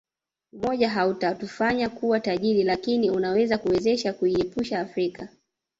Umoja hautatufanya kuwa tajiri lakini unaweza kuwezesha kuiepusha Afrika